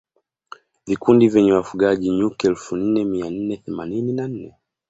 Vikundi vyenye wafugaji nyuki elfu nne mia nne themanini na nne